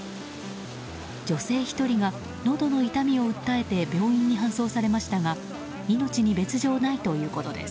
女性１人が、のどの痛みを訴えて病院に搬送されましたが命に別条ないということです。